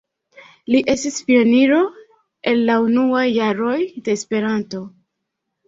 Li estis pioniro el la unuaj jaroj de Esperanto.